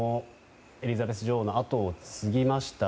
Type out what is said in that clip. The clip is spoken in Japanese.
エリザベス女王の跡を継ぎました